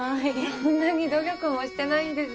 そんなに努力もしてないんです。